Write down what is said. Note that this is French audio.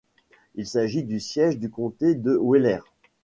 Il s'agit du siège du comté de Wheeler.